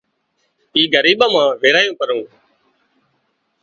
اِي ڳريٻان مان ويرايُون پرون